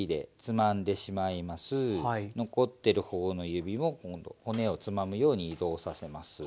残ってる方の指を今度骨をつまむように移動させます。